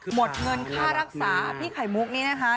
หมดเงินค่ารักษาพี่ไข่มุกนี้นะคะ